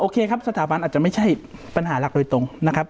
ครับสถาบันอาจจะไม่ใช่ปัญหาหลักโดยตรงนะครับ